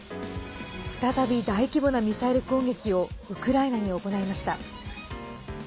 再び大規模なミサイル攻撃をウクライナに行いました。